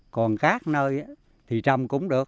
còn các nơi thì trồng cũng được